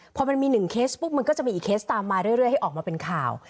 พอมันมี๑เคสปุ๊บมันก็จะมีอีกเคสตามมาเรื่อยให้ออกมาเป็นข่าว